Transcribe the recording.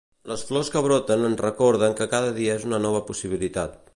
Les flors que broten ens recorden que cada dia és una nova possibilitat.